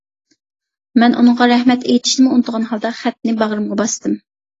مەن ئۇنىڭغا رەھمەت ئېيتىشنىمۇ ئۇنتۇغان ھالدا، خەتنى باغرىمغا باستىم.